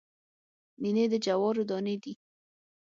نینې د جوارو دانې دي